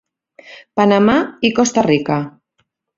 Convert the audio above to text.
Panamà i Costa Rica.